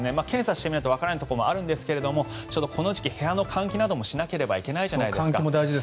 検査しないとわからないところもありますがちょうどこの時期部屋の換気などもしないといけないじゃないですか。